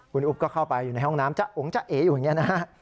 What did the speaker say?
คุณอุ๊บก็เข้าไปอยู่ในห้องน้ำจะองค์จะเอ๋อยู่อย่างนี้นะฮะ